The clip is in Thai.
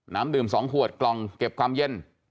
น้ำดื่ม๒ขวดกล่องเก็บความเย็น